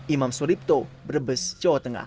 imam suripto brebes jawa tengah